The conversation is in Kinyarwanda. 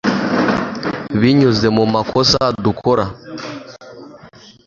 binyuze mu makosa dukora